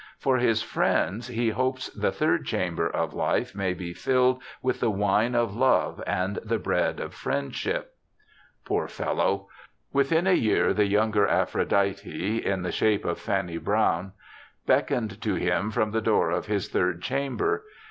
For his friends he hopes the third Chamber of Life may be filled with the wine of love and the bread of friendship. 50 BIOGRAPHICAL ESSAYS Poor fellow ! Within a year the younger Aphrodite, in the shape of Fanny Brawne, beckoned to him from the door of this third chamber.